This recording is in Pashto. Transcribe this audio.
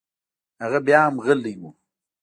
هغه بيا هم غلى و.